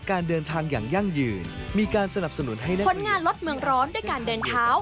คนงานรถเมืองร้อนด้วยการเดินเท้า